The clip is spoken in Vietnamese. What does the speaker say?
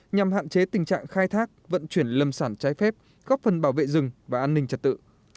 nhằm hạn chế tình trạng khai thác vận chuyển lâm sản trái phép góp phần bảo vệ rừng và an ninh trật tự